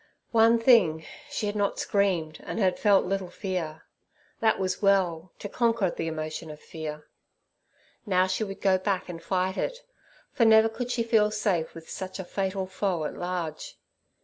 One thing, she had not screamed and had felt little fear; that was well, to conquer the emotion of fear. Now she would go back and fight it, for never could she feel safe with such a fatal foe at large.